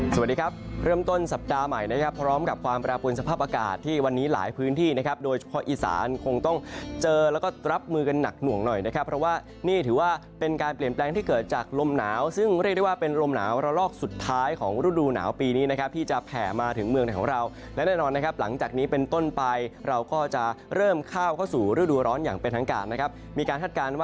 สวัสดีครับเริ่มต้นสัปดาห์ใหม่นะครับพร้อมกับความปรากฎสภาพอากาศที่วันนี้หลายพื้นที่นะครับโดยพออีสานคงต้องเจอแล้วก็รับมือกันหนักหน่วงหน่อยนะครับเพราะว่านี่ถือว่าเป็นการเปลี่ยนแปลงที่เกิดจากลมหนาวซึ่งเรียกได้ว่าเป็นลมหนาวระลอกสุดท้ายของรูดูหนาวปีนี้นะครับที่จะแผ่มาถึงเมืองของเรา